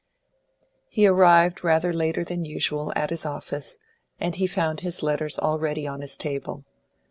He arrived rather later than usual at his office, and he found his letters already on his table.